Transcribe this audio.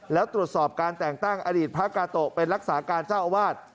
แล้วตรวจสอบการแต่งตั้งอดีตพระกาโตะเป็นรักษาการเจ้าอาวาส